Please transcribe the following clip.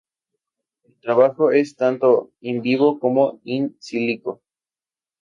El trabajo es tanto "in vivo" como "in silico".